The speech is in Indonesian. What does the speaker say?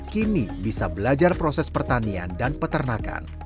kini bisa belajar proses pertanian dan peternakan